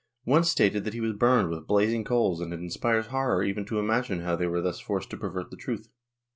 One stated that he was burned with blazing coals and it inspires horror even to imagine how they were thus forced to pervert the truth.